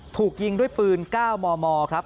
ถูกยิงด้วยปืน๙มมครับ